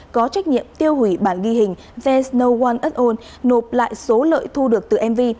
có trách nhiệm tiêu hủy bản ghi hình there s no one at all nộp lại số lợi thu được từ mv